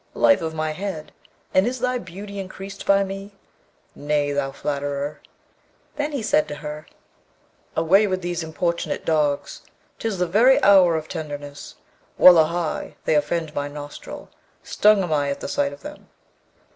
Life of my head! and is thy beauty increased by me? Nay, thou flatterer!' Then he said to her, 'Away with these importunate dogs! 'tis the very hour of tenderness! Wullahy! they offend my nostril: stung am I at the sight of them.'